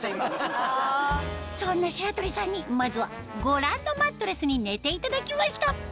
そんな白鳥さんにまずはご覧のマットレスに寝ていただきました